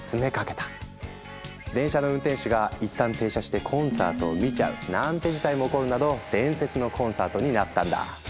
電車の運転手が一旦停車してコンサートを見ちゃうなんて事態も起こるなど伝説のコンサートになったんだ。